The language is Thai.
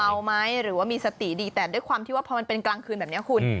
เมาไหมหรือว่ามีสติดีแต่ด้วยความที่ว่าพอมันเป็นกลางคืนแบบนี้คุณ